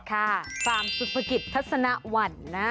ฟาร์มสุภกิจทัศนวันนะ